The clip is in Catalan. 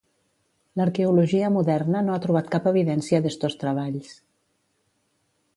L'arqueologia moderna no ha trobat cap evidència d'estos treballs.